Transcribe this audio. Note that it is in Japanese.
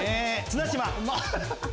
綱島。